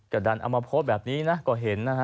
กระดันอำโพสต์แบบนี้ก็เห็น